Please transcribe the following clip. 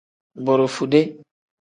Borofude.